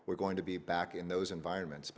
sebelum kita kembali ke lingkungan itu